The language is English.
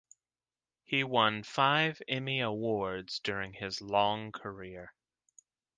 He won five Emmy Awards during his long career.